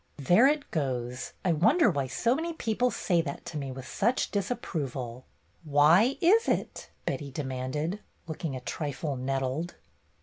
"There it goes! I wonder why so many people say that to me with such disapproval. Why is it?" Betty demanded, looking a trifle nettled.